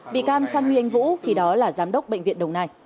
bị can phan huy anh vũ khi đó là giám đốc bệnh viện đồng nai